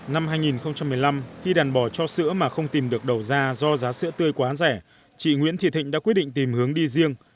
năm hai nghìn một mươi năm khi đàn bò cho sữa mà không tìm được đầu ra do giá sữa tươi quá rẻ chị nguyễn thị thịnh đã quyết định tìm hướng đi riêng